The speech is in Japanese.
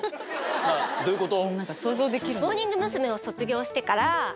どういうこと？